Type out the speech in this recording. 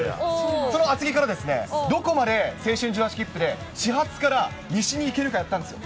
その厚木から、どこまで青春１８きっぷで、始発から西に行けるか、やったんですよ。